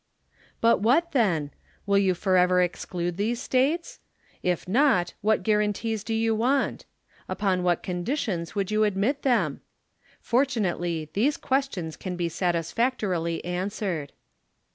But what then ? w^ill you forever exclude these States? If not, what guar anties do you want ? Upon what conditions would you admit them? Fortunately these questions can be satisfac torily answered.